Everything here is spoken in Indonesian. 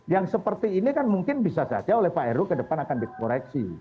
yang seperti ini kan mungkin bisa saja oleh pak heru ke depan akan dikoreksi